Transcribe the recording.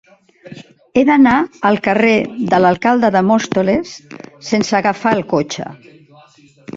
He d'anar al carrer de l'Alcalde de Móstoles sense agafar el cotxe.